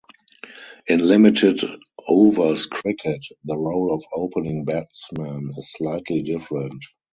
In limited overs cricket, the role of opening batsman is slightly different.